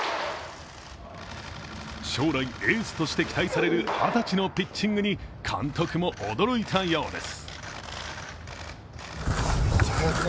将来、エースとして期待される２０歳のピッチングに監督も驚いたようです。